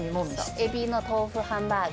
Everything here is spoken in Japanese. エビの豆腐ハンバーグ。